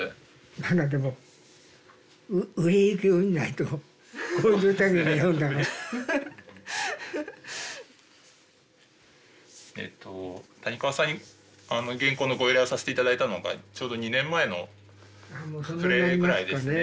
何かでもえっと谷川さんに原稿のご依頼をさせて頂いたのがちょうど２年前の暮れぐらいですね。